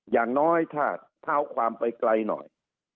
อย่างน้อยถ้าเท้าความไปไกลหน่อย